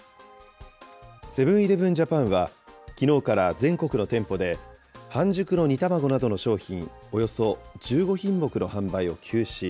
セブン−イレブン・ジャパンは、きのうから全国の店舗で、半熟の煮卵などの商品およそ１５品目の販売を休止。